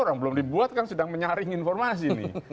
orang belum dibuat kan sedang menyaring informasi nih